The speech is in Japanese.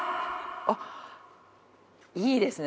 あっいいですね